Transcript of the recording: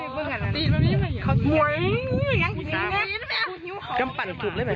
กำปั่นถูกเลือดไม่ต้องจับ